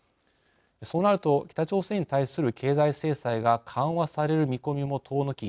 そうなると北朝鮮に対する経済制裁が緩和される見込みも遠のき